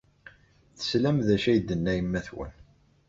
Teslam d acu ay d-tenna yemma-twen.